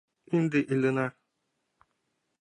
— Ынде илена-а!